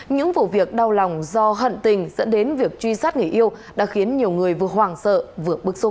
những vụ việc đau lòng do hận tình dẫn đến việc truy sát người yêu đã khiến nhiều người vừa hoàng sợ vừa bức xúc